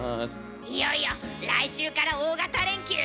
いよいよ来週から大型連休。